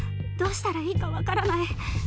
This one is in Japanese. どうしたらいいか分からない。